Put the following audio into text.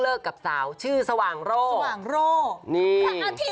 โล่พระอเตสอะไรอย่างนี้